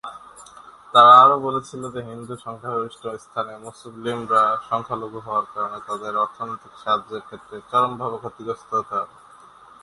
তারা আরও বলেছিল যে হিন্দু সংখ্যাগরিষ্ঠ স্থানে মুসলিমরা সংখ্যালঘু হওয়ার কারণে তাদের অর্থনৈতিক সাহায্যের ক্ষেত্রে চরমভাবে ক্ষতিগ্রস্ত হতে হবে।